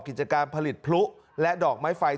กิจการผลิตพลุและดอกไม้ไฟ